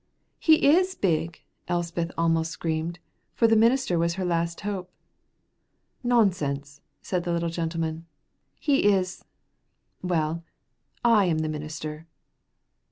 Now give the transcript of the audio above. "He is big," Elspeth almost screamed, for the minister was her last hope. "Nonsense!" said the little gentleman. "He is well, I am the minister."